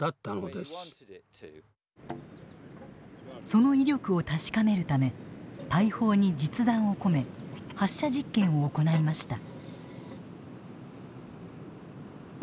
その威力を確かめるため大砲に実弾を込め発射実験を行いました。